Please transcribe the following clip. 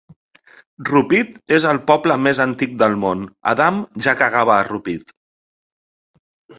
Rupit és el poble més antic del món: Adam ja cagava a Rupit.